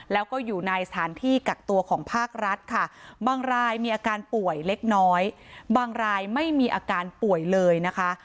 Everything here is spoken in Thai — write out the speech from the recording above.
แล้วก็อยู่ในสถานที่กักตัวของภาครัฐค่ะบางรายมีอาการป่วยเล็กน้อยบางรายไม่มีอาการป่วยเลยนะคะ